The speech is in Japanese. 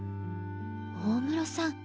大室さん